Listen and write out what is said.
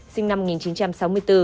sinh năm một nghìn chín trăm sáu mươi bốn